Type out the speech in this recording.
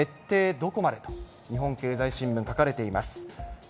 どこまでと、日本経済新聞、書かれています。